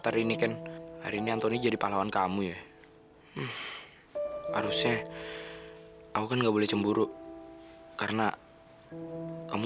yaudah nanti aku kasih tau kamu